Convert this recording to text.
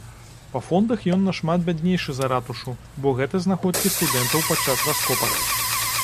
Па фондах ён нашмат бяднейшы за ратушу, бо гэта знаходкі студэнтаў падчас раскопак.